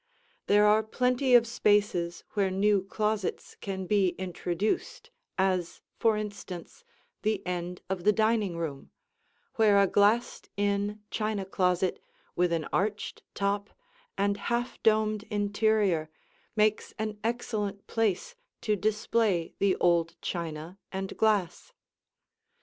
There are plenty of spaces where new closets can be introduced as, for instance, the end of the dining room, where a glassed in china closet with an arched top and half domed interior makes an excellent place to display the old china and glass.